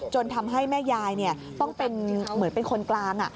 ทำให้แม่ยายต้องเป็นเหมือนเป็นคนกลาง